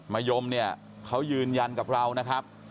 มะยมเนี่ยเขายืนยันกับเรานะครับ